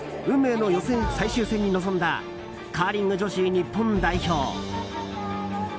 運命の予選最終戦に挑んだカーリング女子日本代表。